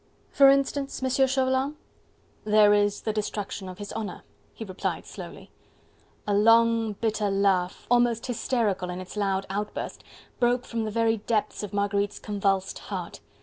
"For instance, Monsieur Chauvelin?" "There is the destruction of his honour," he replied slowly. A long, bitter laugh, almost hysterical in its loud outburst, broke from the very depths of Marguerite's convulsed heart.